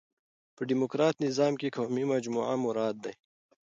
په ډيموکراټ نظام کښي قومي مجموعه مراد يي.